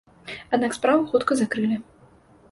Аднак справу хутка закрылі.